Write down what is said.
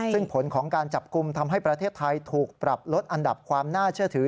ซึ่งผลของการจับกลุ่มทำให้ประเทศไทยถูกปรับลดอันดับความน่าเชื่อถือ